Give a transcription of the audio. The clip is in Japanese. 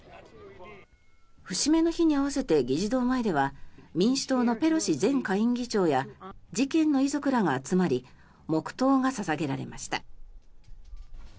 節目の日に合わせて議事堂前では民主党のペロシ前下院議長や事件の遺族らが集まり黙祷が捧げられました。